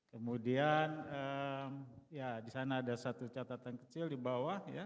kemudian ya di sana ada satu catatan kecil di bawah ya